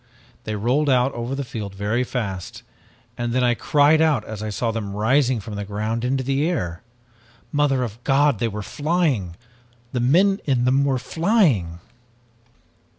They rolled out over the field very fast and then I cried out as I saw them rising from the ground into the air. Mother of God, they were flying! The men in them were flying!